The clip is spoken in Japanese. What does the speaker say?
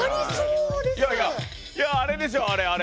いやいやいやあれでしょうあれあれ。